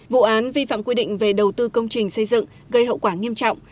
vụ án vi phạm quy định về đầu tư công trình xây dựng gây hậu quả nghiêm trọng